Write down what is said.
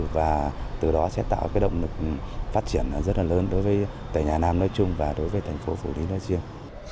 và từ đó sẽ tạo cái động lực phát triển rất là lớn đối với tỉnh hà nam nói chung và đối với thành phố phủ lý nói riêng